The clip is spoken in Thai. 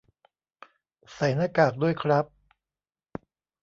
ใส่หน้ากากด้วยครับ